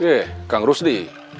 eh kang rusdi